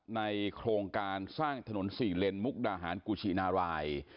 ในโครงการสร้างถนน๔เลนมุกดาหารกุชินาราย